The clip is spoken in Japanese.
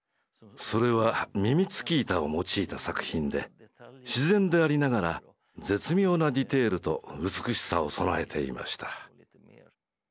それは耳つき板を用いた作品で自然でありながら絶妙なディテールと美しさを備えていました。